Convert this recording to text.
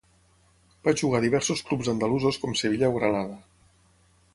Va jugar a diversos clubs andalusos com Sevilla o Granada.